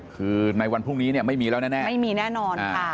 คือในวันพรุ่งนี้เนี่ยไม่มีแล้วแน่ไม่มีแน่นอนค่ะ